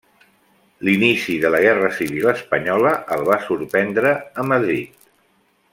L'inici de la Guerra Civil Espanyola el va sorprendre a Madrid.